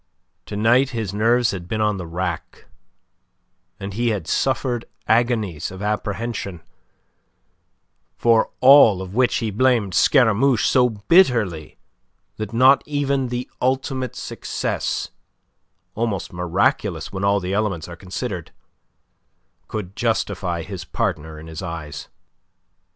To night his nerves had been on the rack, and he had suffered agonies of apprehension, for all of which he blamed Scaramouche so bitterly that not even the ultimate success almost miraculous when all the elements are considered could justify his partner in his eyes.